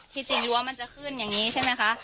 จริงรั้วมันจะขึ้นอย่างนี้ใช่ไหมคะ